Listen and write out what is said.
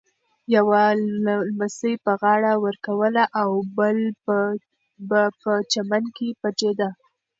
یوه لمسي به غاړه ورکوله او بل به په چمن کې پټېده.